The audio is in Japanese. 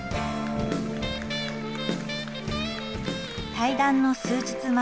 対談の数日前